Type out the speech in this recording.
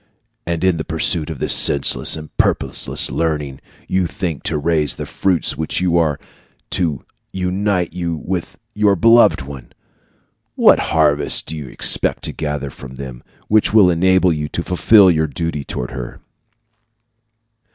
And in the pursuit of this senseless and purposeless learning you think to raise the fruits which are to unite you with your beloved one! What harvest do you expect to gather from them which will enable you to fulfil your duty toward her?